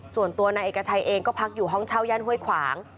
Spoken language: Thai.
ส่วนตัวนายเอกชัยเองก็พักอยู่ห้องเช่าย่านห้วยขวาง